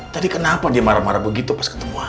tadi kenapa dia marah marah begitu pas ketemu